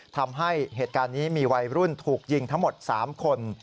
ทำให้เหตุการณ์นี้มีวัยรุ่นถูกยิงทั้งหมด๓คน